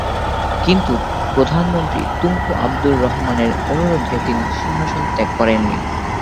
কিন্তু প্রধানমন্ত্রী তুঙ্কু আবদুর রহমানের অনুরোধে তিনি সিংহাসন ত্যাগ করেননি।